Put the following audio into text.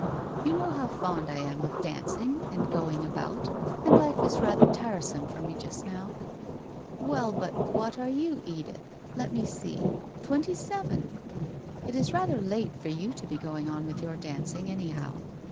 ' You know how fond I am of dancing and going about, and life is rather tiresome for me just now !' 1 Well, but what are you, Edith— let me see? Twenty seven ! It is rather late for you to be going on with your dancing, any how.